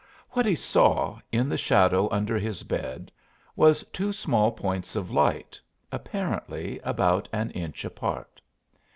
What he saw, in the shadow under his bed, was two small points of light, apparently about an inch apart.